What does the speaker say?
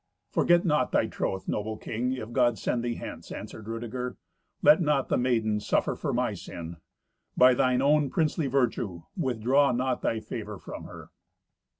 "Forget not thy troth, noble king, if God send thee hence," answered Rudeger. "Let not the maiden suffer for my sin. By thine own princely virtue, withdraw not thy favour from her."